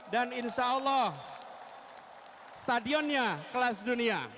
dan insya allah stadionnya kelas dunia